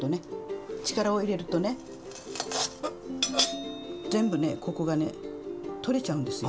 力を入れるとね全部ねここがね取れちゃうんですよ。